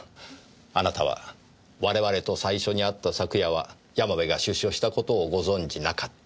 あなたは我々と最初に会った昨夜は山部が出所したことをご存じなかった。